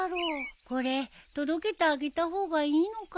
これ届けてあげた方がいいのかな？